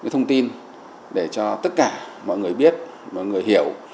thông tin để cho tất cả mọi người biết mọi người hiểu